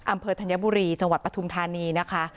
ธัญบุรีจังหวัดปฐุมธานีนะคะ